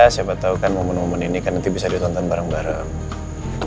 siapa tahu kan momen momen ini kan nanti bisa ditonton bareng bareng